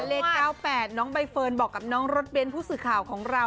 เลข๙๘น้องใบเฟิร์นบอกกับน้องรถเบ้นผู้สื่อข่าวของเรา